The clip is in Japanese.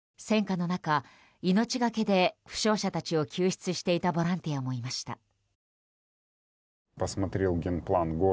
戦火の中、命がけで負傷者たちを救出していたボランティアもいました。